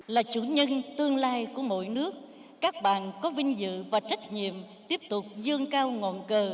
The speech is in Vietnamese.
là chủ nhân tương lai của mỗi nước các bạn có vinh dự và trách nhiệm tiếp tục dương cao ngọn cờ